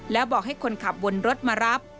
แล้วบอกให้คนขับวนรถมารับ